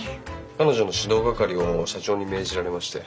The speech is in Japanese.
彼女の指導係を社長に命じられまして。